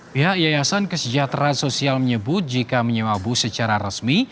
pihak yayasan kesejahteraan sosial menyebut jika menyewa bus secara resmi